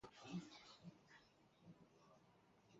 官至工部右侍郎。